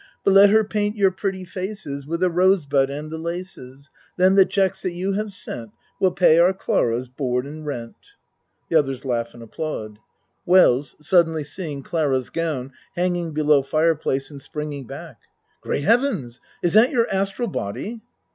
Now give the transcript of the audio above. But let her paint your pretty faces With a rose bud and the laces. Then the checks that you have sent Will pay our Clara's board and rent. ( The others laugh and applaud.) WELLS (Suddenly seeing Clara's gown hang ing below fireplace, and springing back.) Great Heavens! Is that your astral body?